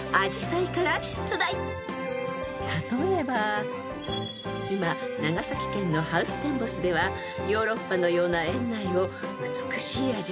［例えば今長崎県のハウステンボスではヨーロッパのような園内を美しいアジサイが彩ります］